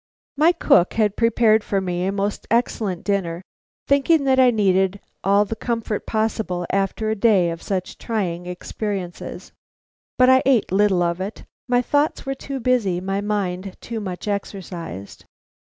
My cook had prepared for me a most excellent dinner, thinking that I needed all the comfort possible after a day of such trying experiences. But I ate little of it; my thoughts were too busy, my mind too much exercised.